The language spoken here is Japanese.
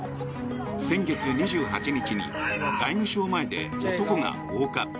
先月２８日に外務省前で男が放火。